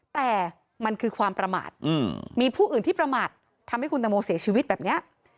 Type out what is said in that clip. แต่มันคือความประมาทมีผู้อื่นที่ประมาททำให้คุณตังโมเสียชีวิตแบบนี้